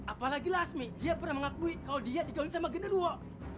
apalagi lasmi dia pernah mengakui kalau dia digaungin sama generul